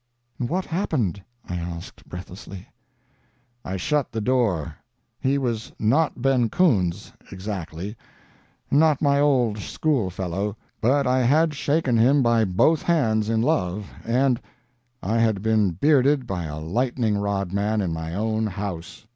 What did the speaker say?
'" "And what happened?" I asked breathlessly. "I shut the door. He was not Ben Koontz—exactly—not my old school fellow, but I had shaken him by both hands in love, and ... I had been bearded by a lightning rod man in my own house.